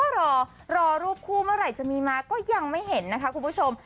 รอรอรูปคู่เมื่อไหร่จะมีมาก็ยังไม่เห็นนะคะคุณผู้ชม